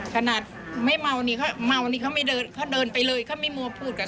เขานี่เพิ่งถูกตีไปตั้งแรกเลยหรือเปล่า